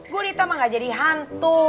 gurita mah gak jadi hantu